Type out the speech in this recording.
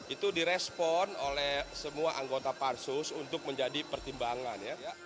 itu direspon oleh semua anggota parsus untuk menjadi pertimbangan